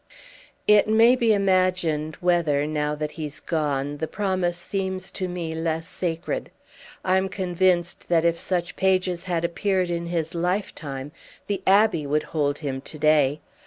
It may be imagined whether, now that he's gone, the promise seems to me less sacred. I'm convinced that if such pages had appeared in his lifetime the Abbey would hold him to day.